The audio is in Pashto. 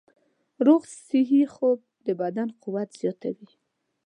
روغ صحي خوب د بدن قوت زیاتوي.